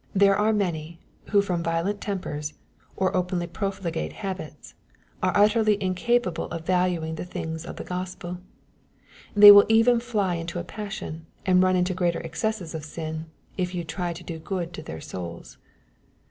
There are many, who from violent tempers, or openly profligate habits, are utterly incapable of valuing the things of the Gospel. They will even fly into a passion, and run into greater excesses of sin, if you try to do good to their souls.